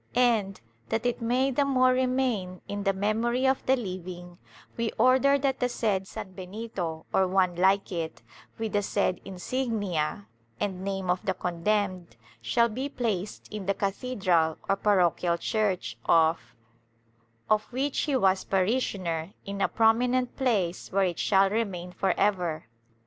80 THE TRIAL [Book VI that it may the more remain in the memory of the Hving, we order that the said sanbenito or one Uke it, with the said insignia and name of the condemned, shall be placed in the cathedral or paro chial church of , of which he was parishioner, in a prominent place w^here it shall remain for ever.